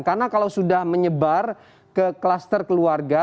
karena kalau sudah menyebar ke kluster keluarga